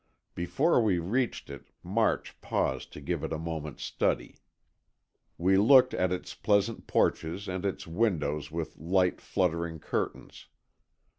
Before we reached it, March paused to give it a moment's study. We looked at its pleasant porches and its windows with light, fluttering curtains.